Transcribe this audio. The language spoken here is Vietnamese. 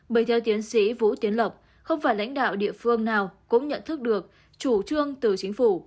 bởi theo tiến sĩ vũ tiến lộc không phải lãnh đạo địa phương nào cũng nhận thức được chủ trương từ chính phủ